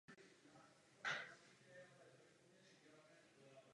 Těsně před smrtí namaloval svůj autoportrét vyjadřující jeho vnitřní rozpoložení.